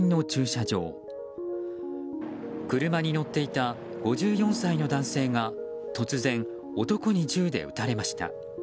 車に乗っていた５４歳の男性が突然、男に銃で撃たれました。